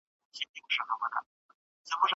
¬ تور په توره شپه اخله، چي سور وي، شين مه اخله.